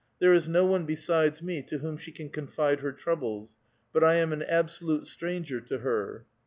There is no one besides me to whom she can confide her troubles. But I am an absolute stranger to her."